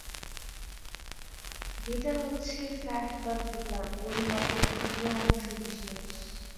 Data হচ্ছে fact বা figure, পরিমাপের ক্ষুদ্র অংশ বিশেষ।